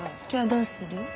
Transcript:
今日どうする？